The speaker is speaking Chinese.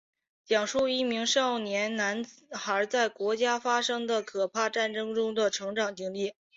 讲述一名少年男孩在国家发生的可怕战争中的成长经历。